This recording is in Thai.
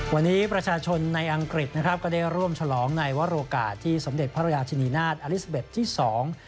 วันนี้ประชาชนในอังกฤษนะครับก็ได้ร่วมฉลองในวโรกาสที่สมเด็จพระราชินีนาฏอลิซาเบ็ดที่สอง